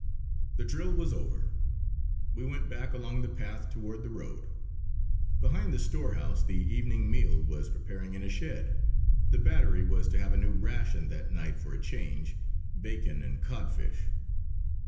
The drill was over. We went back along the path toward the road. Behind the storehouse the evening meal was preparing in a shed. The battery was to have a new ration that night for a change, bacon and codfish.